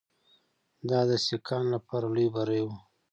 دا د سیکهانو لپاره لوی بری وو.